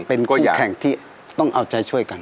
เป็นผู้แข่งที่ต้องเอาใจช่วยกัน